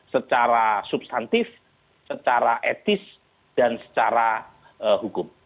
secara substantif secara etis dan secara hukum